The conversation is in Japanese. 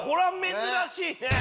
珍しいね。